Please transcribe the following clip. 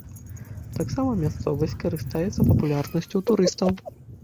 Таксама мясцовасць карыстаецца папулярнасцю ў турыстаў.